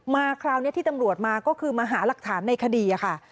คราวนี้ที่ตำรวจมาก็คือมาหาหลักฐานในคดีค่ะ